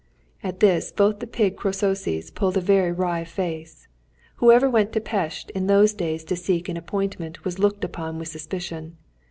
At this, both the pig Crœsuses pulled a very wry face. Whoever went to Pest in those days to seek an appointment was looked upon with suspicion.